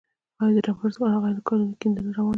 آیا د ډبرو سکرو غیرقانوني کیندنه روانه ده؟